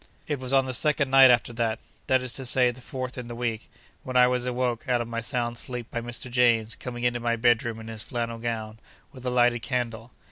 It was on the second night after that—that is to say, the fourth in the week—when I was awoke out of my sound sleep by Mr. James coming into my bedroom in his flannel gown, with a lighted candle.